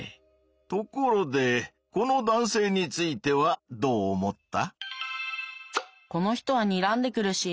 ところでこの男性についてはどう思った？